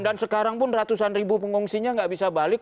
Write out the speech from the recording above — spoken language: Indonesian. dan sekarang pun ratusan ribu pengungsinya nggak bisa balik